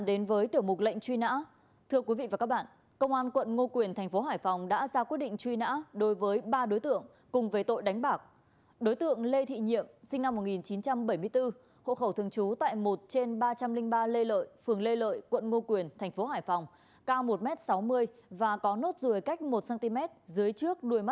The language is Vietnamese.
đối tượng lương hòa phường lam sơn quận lê trân thành phố hải phòng cao một m bảy mươi ba và có nốt rùi cách lông mẩy trái một cm